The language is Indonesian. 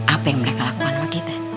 apa yang mereka lakukan sama kita